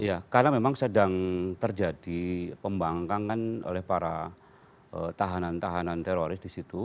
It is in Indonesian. ya karena memang sedang terjadi pembangkangan oleh para tahanan tahanan teroris di situ